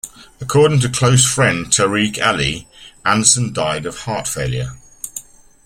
According to close friend Tariq Ali, Anderson died of heart failure.